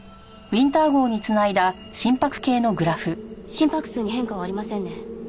心拍数に変化はありませんね。